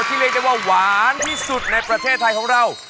เรียกได้ว่าหวานที่สุดในประเทศไทยของเรา